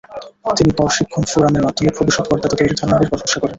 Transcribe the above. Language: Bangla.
তিনি কর শিক্ষণ ফোরামের মাধ্যমে ভবিষ্যৎ করদাতা তৈরির ধারণাটির প্রশংসা করেন।